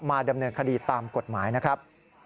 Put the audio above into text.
ดำเนินคดีตามกฎหมายนะครับ